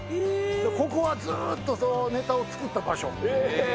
ここはずっとネタを作った場所。